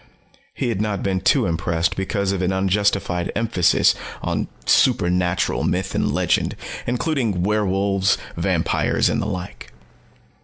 He had not been too impressed because of an unjustified emphasis on supernatural myth and legend, including werewolves, vampires, and the like.